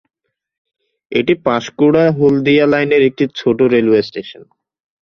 এটি পাঁশকুড়া-হলদিয়া লাইনের একটি ছোট রেলওয়ে স্টেশন।